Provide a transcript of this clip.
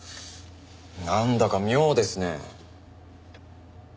なんだか妙ですね。